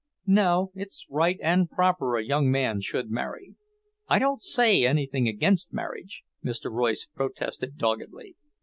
"No, it's right and proper a young man should marry. I don't say anything against marriage," Mr. Royce protested doggedly.